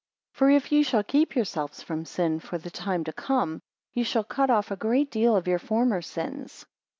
6 For if ye shall keep yourselves from sin for the time to come, ye shall cut off a great deal of your former sins.